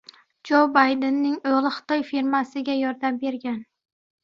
Jo Baydenning o‘g‘li Xitoy firmasiga yordam bergan